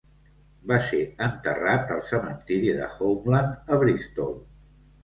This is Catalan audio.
Va ser enterrat al cementiri de Homeland, a Bristol.